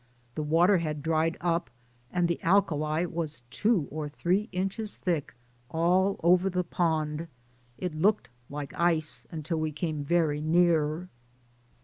The water had dried up, and the alkali was two or three inches thick all over the pond; it looked like ice, until we came very near.